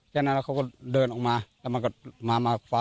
ที่เดียวเขาก็รับกันเขาก็มาก่อน